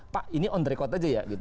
pak ini on record aja ya